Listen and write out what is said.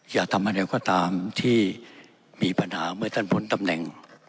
อย่าทำอะไรก็ตามที่มีปัญหาเมื่อท่านพ้นตำแหน่ง